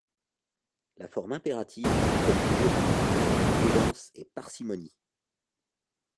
La forme impérative est comme toujours à utiliser avec prudence et parcimonie.